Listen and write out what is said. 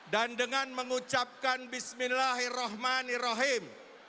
dan dengan mengucapkan bismillahirrohmanirrohim